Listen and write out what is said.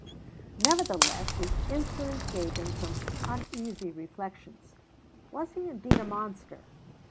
Nevertheless, the incident gave him some uneasy reflections. Was he, indeed, a monster?